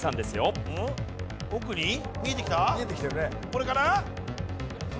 これかな？